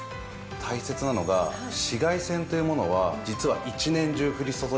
大切なのが紫外線というものは実は一年中降り注いでいるんです。